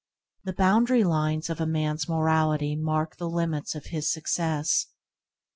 The boundary lines of a man's morality mark the limits of his success.